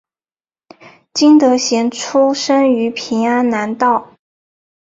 金德贤出生于平安南道。